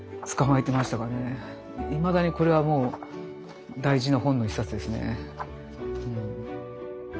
いまだにこれはもう大事な本の一冊ですね。